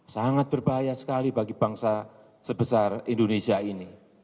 sangat berbahaya sekali bagi bangsa sebesar indonesia ini